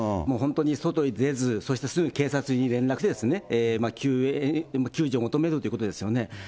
もう本当に外に出ず、そしてすぐ警察に連絡してですね、救援、救助を求めるということですよね。